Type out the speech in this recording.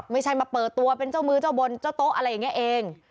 ไม่ใช่มาเปิดตัวเป็นเจ้ามือเจ้าบนเจ้าโต๊ะอะไรอย่างนี้เอง